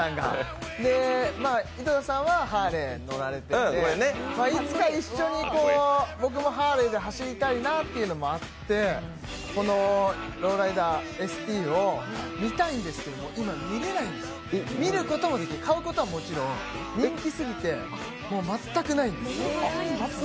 井戸田さんはハーレー乗られていていつか一緒に僕もハーレーで走りたいなというのもあってローライダーＳＴを見たいんですけど、今、買うことはもちろん、人気すぎて全くないんです。